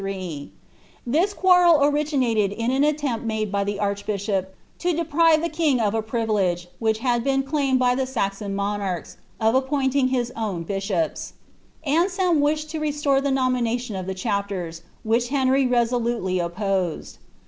Tliia quarrel originated in an aileropt made by the archbishop, to deprive the king of s privilege, which had been claimed by the Saxon monarchs, of appointing his owa bishops Aneelm wished to restore the nominaiion to ihc chapten, which llenry resolutely opposed.